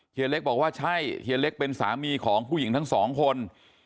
เล็กบอกว่าใช่เฮียเล็กเป็นสามีของผู้หญิงทั้งสองคน